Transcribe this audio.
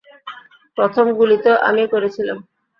প্রথম গুলি তো আমিই করেছিলাম।